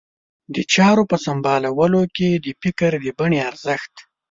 د چارو په سمبالولو کې د فکر د بڼې ارزښت.